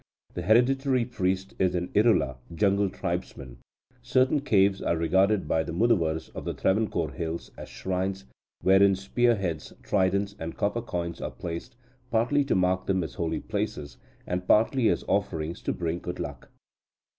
The hereditary priest is an Irula (jungle tribesman). Certain caves are regarded by the Muduvars of the Travancore hills as shrines, wherein spear heads, tridents, and copper coins are placed, partly to mark them as holy places, and partly as offerings to bring good luck.